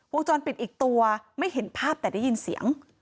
วงจรปิดอีกตัวไม่เห็นภาพแต่ได้ยินเสียง